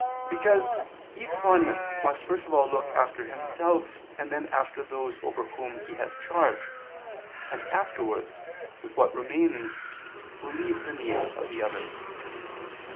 Because each one must first of all look after himself and then after those over whom he has charge, and afterwards with what remains relieve the needs of others.